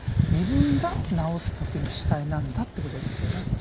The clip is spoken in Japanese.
自分が治すときの主体なんだってことですよね。